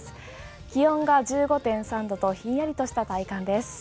気温が１５．３度とひんやりとした体感です。